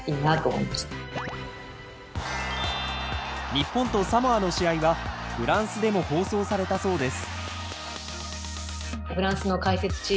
日本とサモアの試合はフランスでも放送されたそうです。